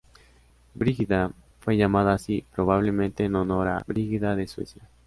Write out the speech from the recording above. Brígida fue llamada así, probablemente en honor a Brígida de Suecia.